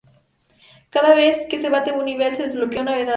Cada vez que se bate un nivel, se desbloquea una medalla.